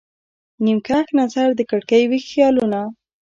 نیم کښ نظر د کړکۍ، ویښ خیالونه